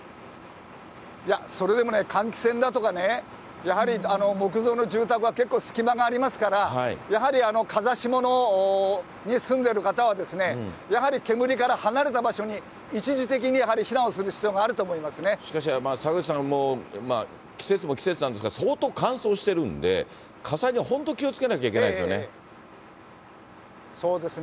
いや、それでも換気扇だとか、やはり木造の住宅は結構隙間がありますから、やはり風下に住んでる方は、やはり煙から離れた場所に一時的にやはり避難をする必要があるとしかし、坂口さん、季節も季節なんですが、相当、乾燥してるんで、火災には本当、そうですね。